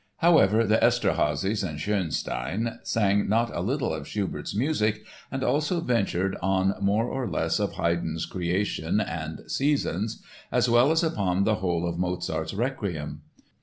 However, the Esterházys and Schönstein sang not a little of Schubert's music and also ventured on more or less of Haydn's Creation and Seasons as well as upon the whole of Mozart's Requiem.